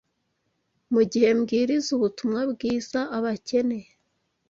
Mu gihe mbwiriza Ubutumwa bwiza abakene